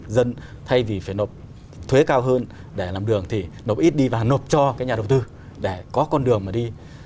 dân thay vì phải nộp thuế cao hơn để làm đường thì nó ít đi và nộp cho cái nhà đầu tư để có con đường mà đi